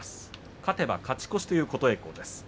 勝てば勝ち越しという琴恵光です。